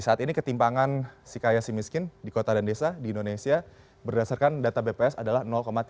saat ini ketimpangan si kaya dan si miskin di kota dan desa di indonesia berdasarkan data bps adalah tiga ratus delapan puluh satu